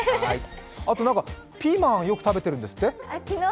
あと、ピーマン、よく食べてるんですって？